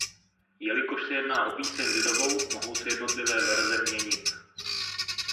Jelikož se jedná o píseň lidovou mohou se jednotlivé verze měnit.